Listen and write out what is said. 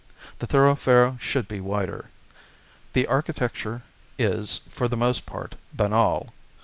The thoroughfare should be wider. The architecture is, for the most part, banal.